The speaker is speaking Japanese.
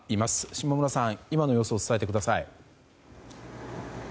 下村さん、今の様子を伝えてください。